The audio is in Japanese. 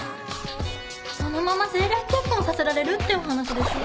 そのまま政略結婚させられるってお話でしょ。